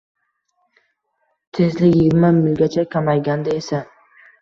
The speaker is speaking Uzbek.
Tezlik yigirma milgacha kamayganda esa